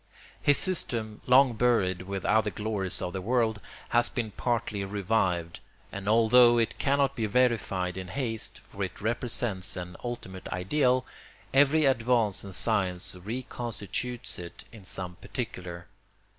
His system, long buried with other glories of the world, has been partly revived; and although it cannot be verified in haste, for it represents an ultimate ideal, every advance in science reconstitutes it in some particular.